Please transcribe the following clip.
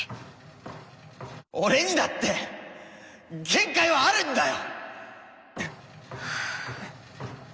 俺にだって限界はあるんだよ！